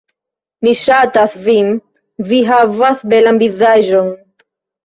Mi ŝatas vin, vi havas belan vizaĝon.